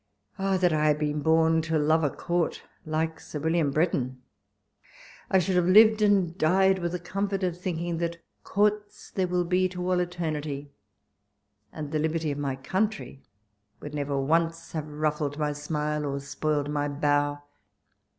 Oh, that T had been born to love a court like Sir William Breton ! I should have lived and died with the comfort of thinking that courts there will be to all eternity, and the liberty of my country would never once have ruffled my smile, or spoiled my bow.